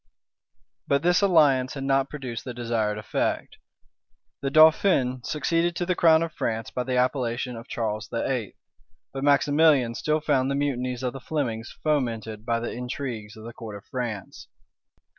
But this alliance had not produced the desired effect. The dauphin succeeded to the crown of France by the appellation of Charles VIII.; but Maximilian still found the mutinies of the Flemings fomented by the intrigues of the court of France.